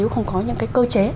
không có những cái cơ chế